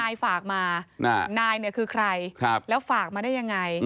นายฝากมานายเนี่ยคือใครแล้วฝากมาได้ยังไง